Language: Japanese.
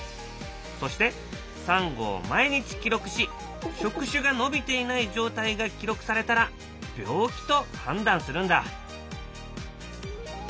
そしてサンゴを毎日記録し触手が伸びていない状態が記録されたら病気と判断するんだ。